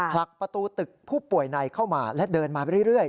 ผลักประตูตึกผู้ป่วยในเข้ามาและเดินมาเรื่อย